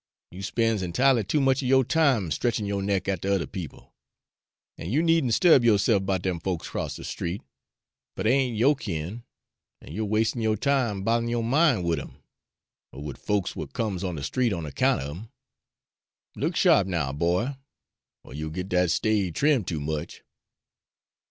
You spen's enti'ely too much er yo' time stretchin' yo' neck atter other people. An' you need n' 'sturb yo'se'f 'bout dem folks 'cross de street, fer dey ain't yo' kin', an' you're wastin' yo' time both'in' yo' min' wid 'em, er wid folks w'at comes on de street on account of 'em. Look sha'p now, boy, er you'll git dat stave trim' too much."